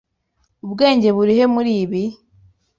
Ubwenge burihe muri ibi?